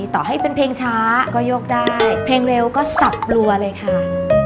ต่อให้เป็นเพลงช้าก็ยกได้เพลงเร็วก็สับรัวเลยค่ะ